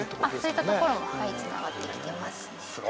そういったところも繋がってきてますね。